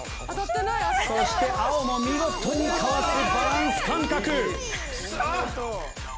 そして青も見事にかわすバランス感覚。